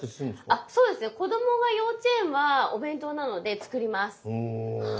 あそうですね。子供が幼稚園はお弁当なので作ります。